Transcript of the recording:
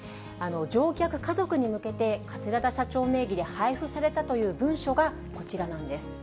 乗客家族に向けて桂田社長名義で配布されたという文書がこちらなんです。